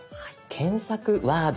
検索ワード